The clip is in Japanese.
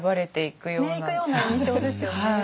行くような印象ですよね。